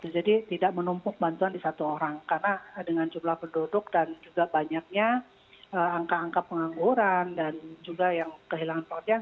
jadi tidak menumpuk bantuan di satu orang karena dengan jumlah penduduk dan juga banyaknya angka angka pengangguran dan juga yang kehilangan pemerintahan